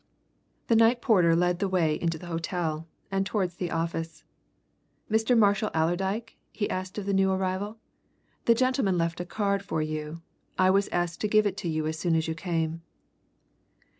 The night porter led the way into the hotel, and towards the office. "Mr. Marshall Allerdyke?" he asked of the new arrival. "The gentleman left a card for you; I was asked to give it to you as soon as you came."